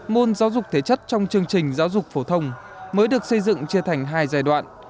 môn giáo dục thể chất trong chương trình giáo dục phổ thông mới được xây dựng chia thành hai giai đoạn